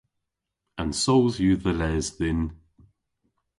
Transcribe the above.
An soodh yw dhe les dhyn.